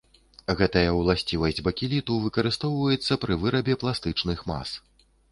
Гэтая ўласцівасць бакеліту выкарыстоўваецца пры вырабе пластычных мас.